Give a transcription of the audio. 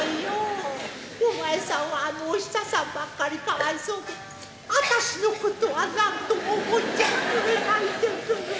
お前さんはあのお久さんばっかりかわいそうであたしのことは何とも思っちゃくれないんですね。